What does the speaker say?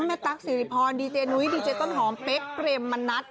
นับตรักษ์สิริพรดีเจนุ้ยดีเจต้นหอมเป๊กเรมมันนัด